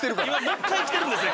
もう一回着てるんですよ